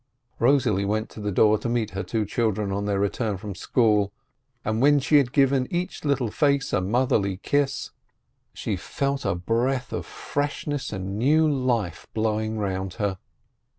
Rosalie went to the door to meet her two children on their return from school, and when she had given each little face a motherly kiss, she felt a breath of freshness and new life blowing round her.